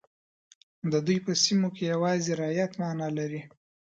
د دوی په سیمو کې یوازې رعیت معنا لري.